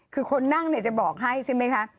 คือคนนั่งเนี่ยจะบอกให้ใช่ไหมคะ